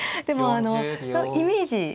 でもあのイメージ